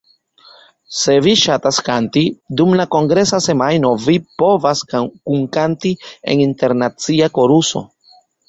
Se vi ŝatas kanti, dum la kongresa semajno vi povas kunkanti en internacia koruso.